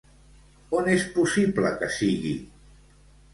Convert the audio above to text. On és possible que sigui?